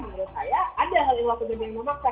menurut saya ada hal hal kepentingan memaksa